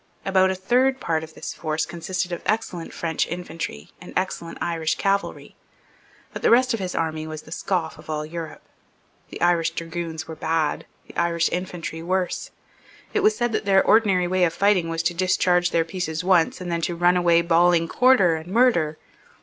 About a third part of this force consisted of excellent French infantry and excellent Irish cavalry. But the rest of his army was the scoff of all Europe. The Irish dragoons were bad; the Irish infantry worse. It was said that their ordinary way of fighting was to discharge their pieces once, and then to run away bawling "Quarter" and "Murder."